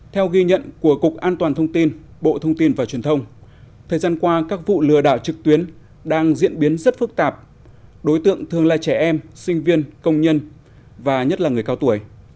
theo ghi nhận của cục an toàn thông tin bộ thông tin và truyền thông thời gian qua các vụ lừa đảo trực tuyến đang diễn biến rất phức tạp đối tượng thường là trẻ em sinh viên công nhân và nhất là người cao tuổi